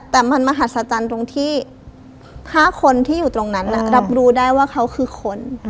แต่มันมหัศจรรย์ตรงที่๕คนที่อยู่ตรงนั้นรับรู้ได้ว่าเขาคือคน